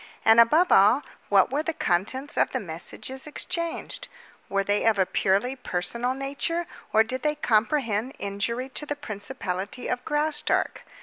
And, above all, what were the contents of the messages exchanged? Were they of a purely personal nature, or did they comprehend injury to the principality of Graustark?